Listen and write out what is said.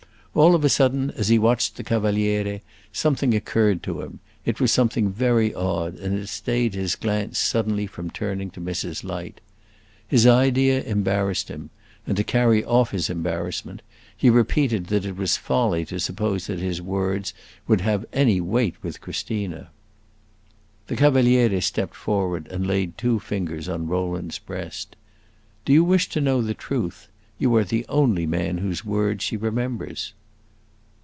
All of a sudden, as he watched the Cavaliere, something occurred to him; it was something very odd, and it stayed his glance suddenly from again turning to Mrs. Light. His idea embarrassed him, and to carry off his embarrassment, he repeated that it was folly to suppose that his words would have any weight with Christina. The Cavaliere stepped forward and laid two fingers on Rowland's breast. "Do you wish to know the truth? You are the only man whose words she remembers."